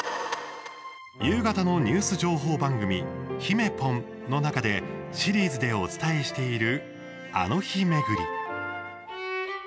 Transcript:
夕方のニュース情報番組「ひめポン！」の中でシリーズでお伝えしている「あの日めぐり」。